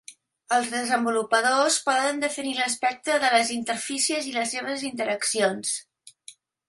Els desenvolupadors poden definir l'aspecte de les interfícies i les seves interaccions.